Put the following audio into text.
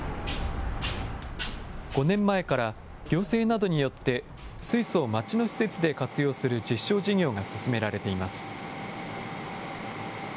５年前から行政などによって水素を街の施設で活用する実証事業が進められています。